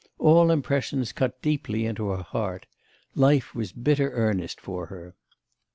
All impressions cut deeply into her heart; life was bitter earnest for her.